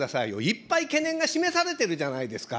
いっぱい懸念が示されているじゃないですか。